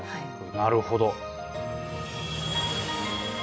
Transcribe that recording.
なるほど。